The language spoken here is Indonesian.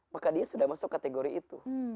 maka dia sudah masuk kategori itu